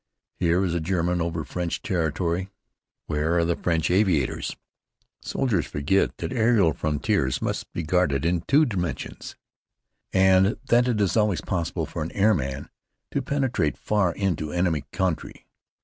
Here is a German over French territory. Where are the French aviators? Soldiers forget that aerial frontiers must be guarded in two dimensions, and that it is always possible for an airman to penetrate far into enemy country.